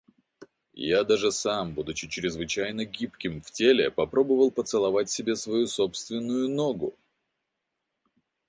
Я даже сам, будучи чрезвычайно гибким в теле, попробовал поцеловать себе свою собственную ногу.